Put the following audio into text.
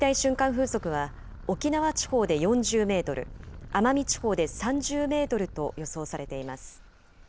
風速は沖縄地方で４０メートル、奄美地方で３０メートルと予想されています。